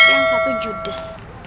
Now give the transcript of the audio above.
yang satu judes